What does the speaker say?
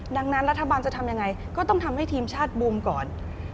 ดังนั้นรัฐบาลจะทำยังไงก็ต้องทำให้ทีมชาติบูมก่อน